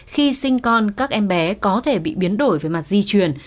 khi sinh con các em bé có thể bị biến đổi về mặt di truyền